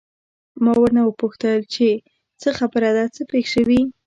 ما ورنه وپوښتل چې څه خبره ده، څه پېښ شوي؟